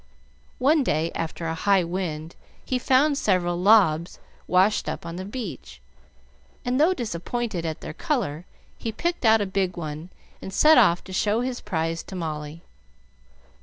One day after a high wind he found several "lobs" washed up on the beach, and, though disappointed at their color, he picked out a big one, and set off to show his prize to Molly.